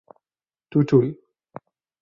Tutul.